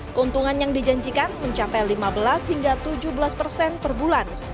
keuntungan yang dijanjikan mencapai lima belas hingga tujuh belas persen per bulan